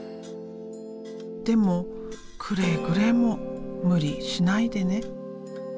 でもくれぐれも無理しないでね。